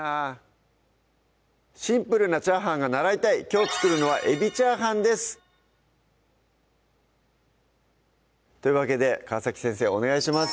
シンプルなチャーハンが習いたいきょう作るのは「海老炒飯」ですというわけで川先生お願いします